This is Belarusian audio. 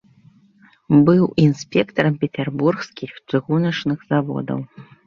Быў інспектарам пецярбургскіх чыгуначных заводаў.